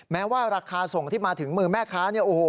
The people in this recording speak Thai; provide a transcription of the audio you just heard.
แม้ว่าราคาส่งที่มาถึงมือแม่ค้าเนี่ยโอ้โห